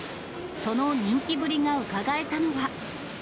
その人気ぶりがうかがえたのが。